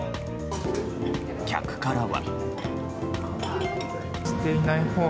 客からは。